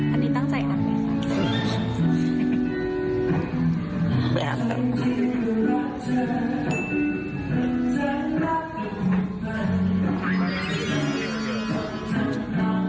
อันนี้ตั้งใจนับไหมคะ